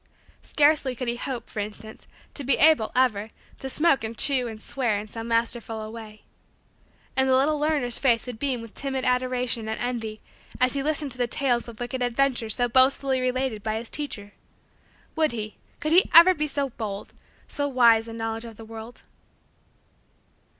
Scarcely could he hope, for instance, to be able, ever, to smoke and chew and swear in so masterful a way. And the little learner's face would beam with timid adoration and envy as he listened to the tales of wicked adventures so boastfully related by his teacher. Would he, could he, ever be so bold, so wise in knowledge of the world?